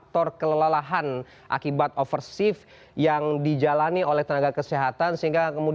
terima kasih pak